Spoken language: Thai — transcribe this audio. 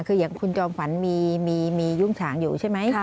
คืออย่างคุณจอมฝันมียุ่งฉางอยู่ใช่ไหม